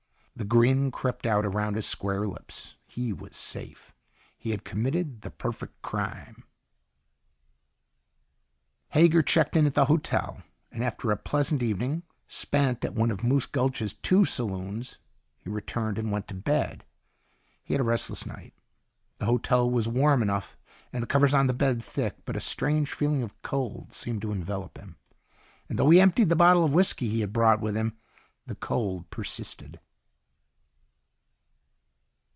The grin crept out around his square lips. He was safe. He had committed the perfect crime. Hager checked in at the hotel, and after a pleasant evening spent at one of Moose Gulch's two saloons, he returned and went to bed. He had a restless night. The hotel was warm enough, and the covers on the bed thick, but a strange feeling of cold seemed to envelop him. And though he emptied the bottle of whisky he had brought with him, the cold persisted.